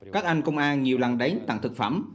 các anh công an nhiều lần đánh tặng thực phẩm